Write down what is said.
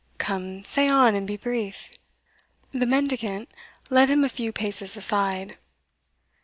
Come, say on, and be brief." The mendicant led him a few paces aside.